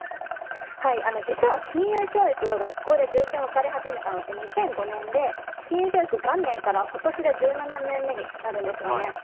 はい、実は金融教育に学校で重点が置かれ始めたのって２００５年で、金融教育元年から今年で１７年目になるんですよね。